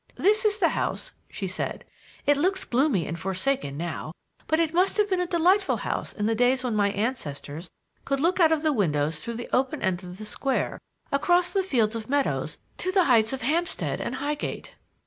"This is the house," she said. "It looks gloomy and forsaken now; but it must have been a delightful house in the days when my ancestors could look out of the windows through the open end of the square across the fields of meadows to the heights of Hampstead and Highgate."